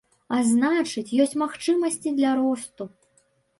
А значыць, ёсць магчымасці для росту.